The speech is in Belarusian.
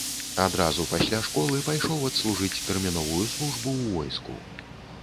Адразу пасля школы пайшоў адслужыць тэрміновую службу ў войску.